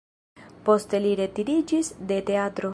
Poste li retiriĝis de teatro.